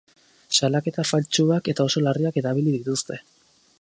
Salaketa faltsuak eta oso larriak erabili dituzte.